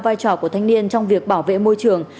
vai trò của thanh niên trong việc bảo vệ môi trường